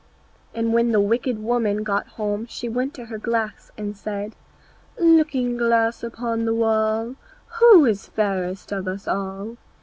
And when the wicked woman got home she went to her glass and said, "Looking glass against the wall, Who is fairest of us all?"